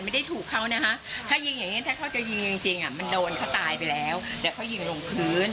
ไปพูดได้ยังไงเราไปติดหรือมาด่าแม่แจ๊คใครตรงไหน